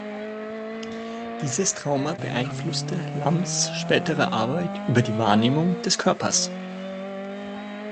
Dieses Trauma beeinflusste Lamms spätere Arbeit über die Wahrnehmung des Körpers.